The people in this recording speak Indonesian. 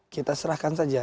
kita serahkan saja